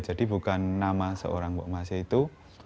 jadi bukan nama seorang mbok masih itu